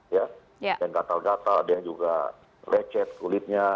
ya ada yang gatal gatal ada yang juga lecet kulitnya